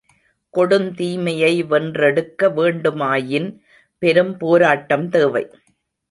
கொடுந் தீமையை வென்றெடுக்க வேண்டுமாயின் பெரும் போராட்டம் தேவை.